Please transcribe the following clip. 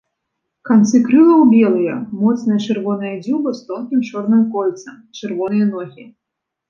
Канцы крылаў белыя, моцная чырвоная дзюба з тонкім чорным кольцам, чырвоныя ногі.